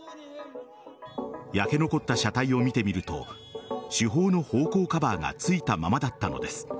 焼け残った車体を見てみると主砲の砲口カバーがついたままだったのです。